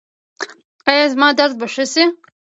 ایا زما درد به ښه شي؟